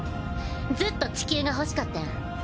ずっと地球が欲しかってん。